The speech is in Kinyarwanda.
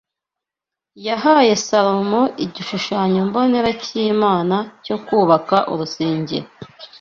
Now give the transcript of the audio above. yahaye Salomo igishushanyo mbonera cy’Imana cyo kubaka urusengero